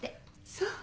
そう。